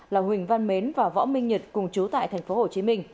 là huỳnh văn mến và võ minh nhật cùng chú tại tp hcm